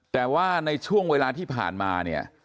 แต่ว่าในช่วงเวลาที่ผ่านมาเนี่ย